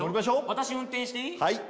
私運転していい？